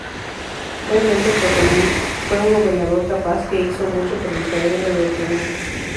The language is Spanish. Realmente Potiomkin fue un gobernador capaz que hizo mucho por el desarrollo de Crimea.